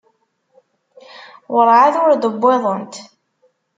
Werɛad ur d-wwiḍent?